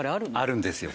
あるんですよ